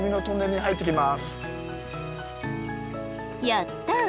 やった！